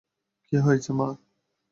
কি হয়েছে, মা?